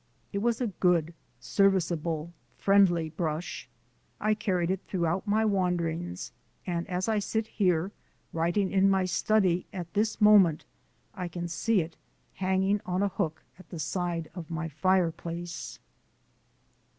It was a good, serviceable, friendly brush. I carried it throughout my wanderings; and as I sit here writing in my study, at this moment, I can see it hanging on a hook at the side of my fireplace.